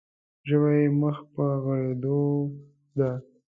ژبه یې مخ پر غړندېدو ده.